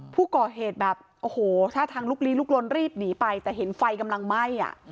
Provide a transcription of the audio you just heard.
ผู้ก่อเหตุแบบโอ้โหท่าทางลุกลีลุกลนรีบหนีไปแต่เห็นไฟกำลังไหม้อ่ะ